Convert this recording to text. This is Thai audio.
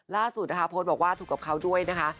ล่ะสุดนะคะพลมาถูกกับเค้าด้วยนะคะ